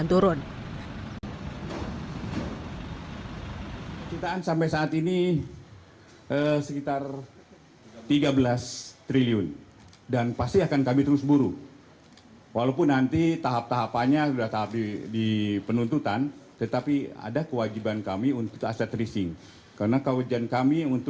dan nilainya akan turun